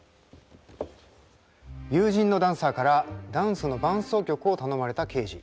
友人のダンサーからダンスの伴奏曲を頼まれたケージ。